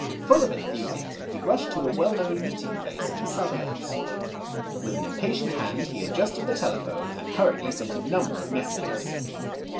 Full of enthusiasm he rushed to a well known meeting place in the suburbs. With an impatient hand he adjusted THE PURSUIT OF HAPPINESS. 235 the telephone and hurriedly sent a number of messages.